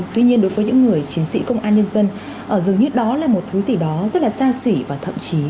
tuy nhiên đối với những người chiến sĩ công an nhân dân dường như đó là một thứ gì đó rất là xa xỉ và thậm chí